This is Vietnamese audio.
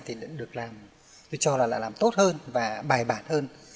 thì vẫn được làm tôi cho là làm tốt hơn và bài bản hơn